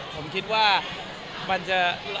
ผมคิดว่ามันจะ